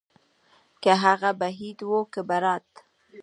که هغه به عيد وو که ببرات.